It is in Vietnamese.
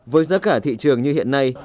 với giá cả thị trường như hiện nay